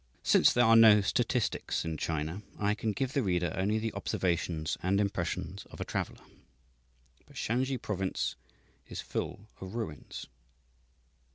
Since there are no statistics in China, I can give the reader only the observations and impressions of a traveller. But Shansi Province is full of ruins.